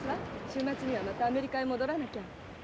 週末にはまたアメリカへ戻らなきゃ。